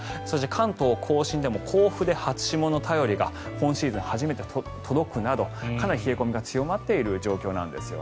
関東・甲信でも甲府で初霜の便りが今シーズン初めて届くなどかなり冷え込みが強まっている状況なんです。